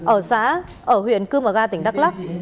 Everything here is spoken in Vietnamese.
ở xã ở huyện cư mờ ga tỉnh đắk lắc